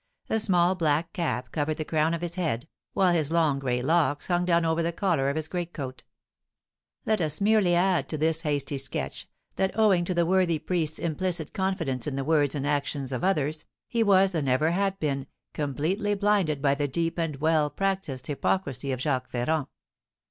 A small black cap covered the crown of his head, while his long gray locks hung down over the collar of his greatcoat. Let us merely add to this hasty sketch, that owing to the worthy priest's implicit confidence in the words and actions of others, he was, and ever had been, completely blinded by the deep and well practised hypocrisy of Jacques Ferrand.